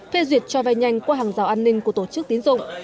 phê duyệt cho vai nhanh qua hàng rào an ninh của tổ chức tín dụng